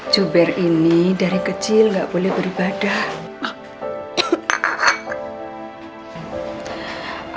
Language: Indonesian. juber ini dari kecil nggak boleh beribadah